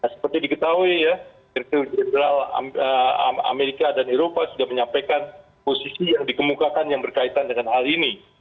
seperti diketahui ya direktur jenderal amerika dan eropa sudah menyampaikan posisi yang dikemukakan yang berkaitan dengan hal ini